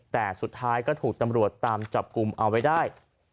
แต่สุดท้ายก็ถูกตำรวจตามจับกลุ่มเอาไว้ได้